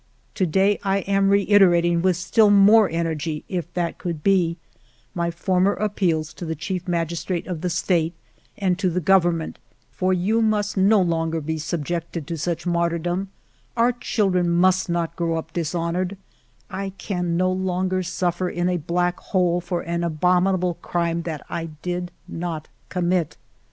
"To day I am reiterating with still more energy, if that could be, my former appeals to the Chief Magistrate of the State and to the Government, for 270 FIVE YEARS OF MY LIFE you must no longer be subjected to such martyr dom ; our children must not grow up dishonored; I can no longer suffer in a black hole for an abominable crime that I did not commit.